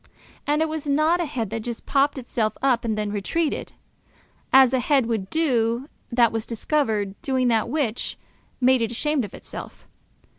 And it was not a head that just popped itself up and then retreated, as a head would do that was discovered doing that which made it ashamed of itself.